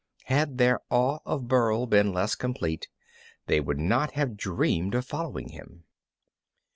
Had their awe of Burl been less complete they would not have dreamed of following him.